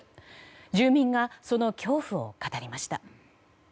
住民がその恐怖を語りました。